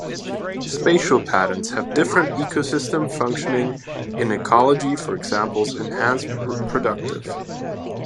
Spatial patterns have different ecosystem functioning in ecology for examples enhanced productive.